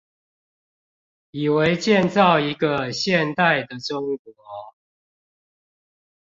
以為建造一個現代的中國